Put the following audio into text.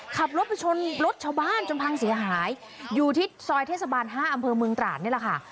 ขับรถไปชนรถชาวบ้านจนพังเสียหายอยู่ที่ซอยเทศบาล๕อำเภอเมืองตราดนี่แหละค่ะ